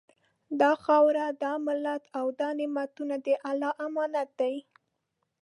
دا خاوره، دا ملت او دا نعمتونه د الله امانت دي